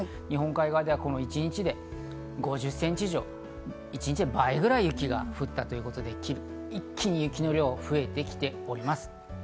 日本海側では一日に５０センチ以上一日の倍ぐらい雪が降ったということで一気に雪の量が増えてきております。